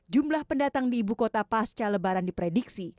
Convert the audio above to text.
jumlah pendatang di ibu kota pasca lebaran diprediksi